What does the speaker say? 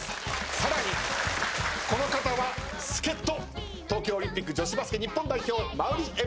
さらにこの方は助っ人東京オリンピック女子バスケ日本代表馬瓜エブリン選手です。